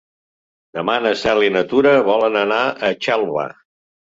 Demà na Cel i na Tura volen anar a Xelva.